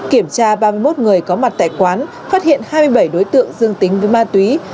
kiểm tra ba mươi một người có mặt tại quán phát hiện hai mươi bảy đối tượng dương tính với ma túy